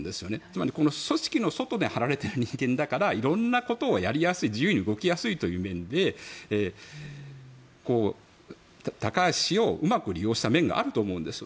つまり、組織の外に張られている人間だからいろんなことをやりやすい自由に動きやすいという面で高橋氏をうまく利用した面があると思うんです。